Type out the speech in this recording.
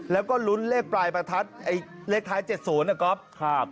แล้วก็ลุ้นเลขปลายประทัดไอ้เลขท้าย๗๐นะครับ